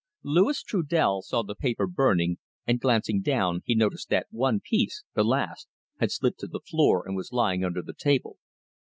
Louis Trudel saw the paper burning, and, glancing down, he noticed that one piece the last had slipped to the floor and was lying under the table.